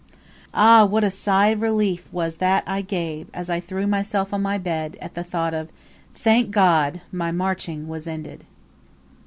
Ah! what a sigh of relief was that I gave, as I threw myself on my bed, at the thought that, "Thank God! my marching was ended."